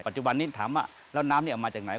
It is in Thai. จุบันนี้ถามว่าแล้วน้ำนี้ออกมาจากไหน